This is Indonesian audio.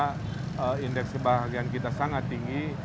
karena indeks kebahagiaan kita sangat tinggi